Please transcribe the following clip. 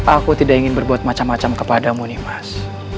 aku tidak ingin berbuat macam macam kepadamu nih mas